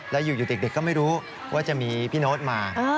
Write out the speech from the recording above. แล้วอยู่เด็กก็ไม่รู้ว่าจะมีพี่โน๊ตมา